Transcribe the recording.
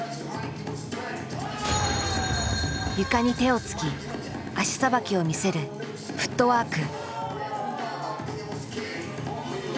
床に手をつき足さばきを見せるフットワーク。